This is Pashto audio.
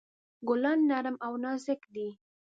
ګلان نرم او نازک دي.